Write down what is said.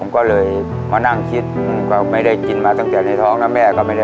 ก็เลยมานั่งคิดไม่ได้กินมาตั้งแต่ในท้องน้ำแม่ก็ไปเลิว